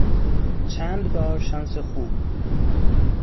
چند بار شانس خوب